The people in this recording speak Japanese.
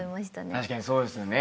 確かにそうですよね。